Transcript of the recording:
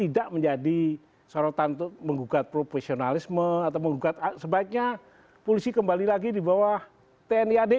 tidak menjadi sorotan untuk menggugat profesionalisme atau menggugat sebaiknya polisi kembali lagi di bawah tni ad